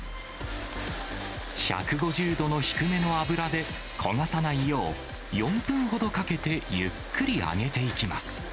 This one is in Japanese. １５０度の低めの油で、焦がさないよう４分ほどかけてゆっくり揚げていきます。